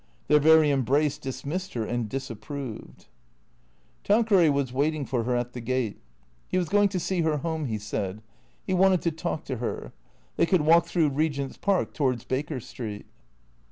Their very embrace dismissed her and disapproved. Tanqueray was waiting for her at the gate. He was going to see her home, he said. He wanted to talk to her. They could walk through Regent's Park towards Baker Street.